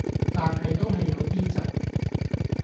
但係都係有啲窒